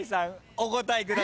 お答えください。